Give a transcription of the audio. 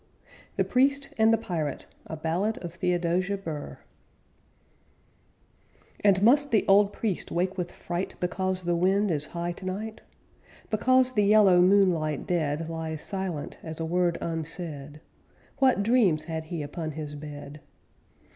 THE PRIEST AND THE PIRATE A BALLAD OF THEODOSIA BURR And must the old priest wake with fright Because the wind is high tonight? Because the yellow moonlight dead Lies silent as a word unsaid What dreams had he upon his bed?